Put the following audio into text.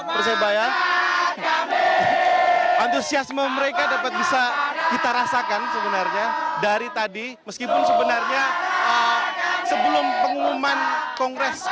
persebaya antusiasme mereka dapat bisa kita rasakan sebenarnya dari tadi meskipun sebenarnya sebelum pengumuman kongres